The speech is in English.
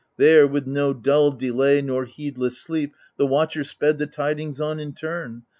There, with no dull delay nor heedless sleep, The watcher sped the tidings on in turn.